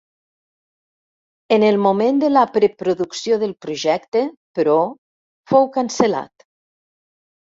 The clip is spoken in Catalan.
En el moment de la preproducció del projecte, però, fou cancel·lat.